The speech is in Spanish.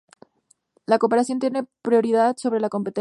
La cooperación tiene prioridad sobre la competencia.